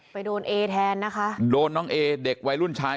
ไปโดนเอแทนนะคะโดนน้องเอเด็กวัยรุ่นชาย